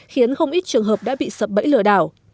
khiến không ít trường hợp đã bị sập bẫy lừa đảo